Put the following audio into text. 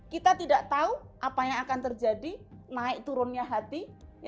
kita tidak tahu apa yang akan terjadi naik turunnya hati